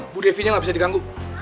bu devinya gak bisa diganggu